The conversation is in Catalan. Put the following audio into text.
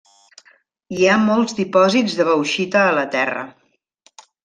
Hi ha molts dipòsits de bauxita a la terra.